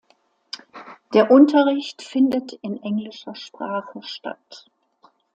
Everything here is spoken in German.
Der Unterricht findet in englischer Sprache statt.